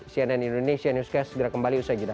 cnn indonesia newscast segera kembali usai jeda